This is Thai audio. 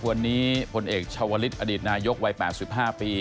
วันนี้พลเอกชาวลิสต์อดีตนายกวัยแปดสิบห้าปี